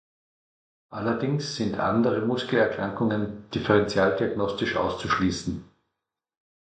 Allerdings sind andere Muskelerkrankungen differentialdiagnostisch auszuschließen.